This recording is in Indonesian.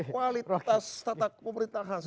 kualitas tatap pemerintahan